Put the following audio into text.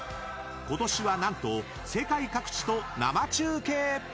今年は何と世界各地と生中継！